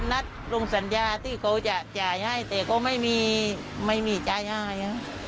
นัดลงสัญญาที่เขาจะจ่ายให้แต่ก็ไม่มีไม่มีจ่ายง่าย